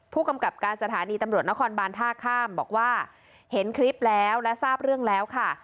ผู้กำกับการสถานีตำรวจนครบานท่าข้ามบอกว่าเห็นคลิปแล้วและทราบเรื่องแล้วค่ะ